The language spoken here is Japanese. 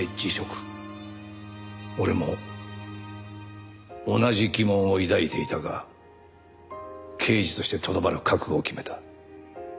俺も同じ疑問を抱いていたが刑事としてとどまる覚悟を決めた。